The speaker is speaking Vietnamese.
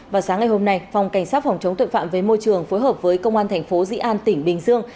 vào sáng ngày hôm nay phòng cảnh sát phòng chống tội phạm với môi trường phối hợp với công an tp di an tỉnh bình dương